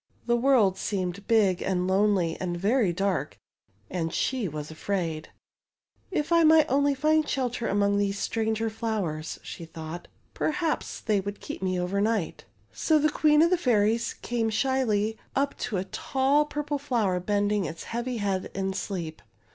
The world seemed big and lonely and very dark, and she was afraid. If I might only find shelter among these stranger flowers," she thought. " Perhaps they would keep me overnight." So the Queen of the Fairies came shyly up 237 r;:. 238 THE FRINGED GENTIAN to a tall purple flower bending its heavy head in sleep.